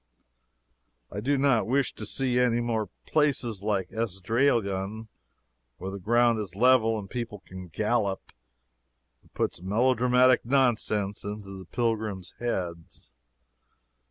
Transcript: I do not wish to see any more places like Esdraelon, where the ground is level and people can gallop. It puts melodramatic nonsense into the pilgrims' heads.